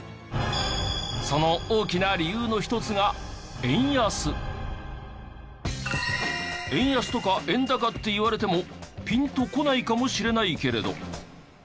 その大きな理由の一つが円安とか円高って言われてもピンとこないかもしれないけれど。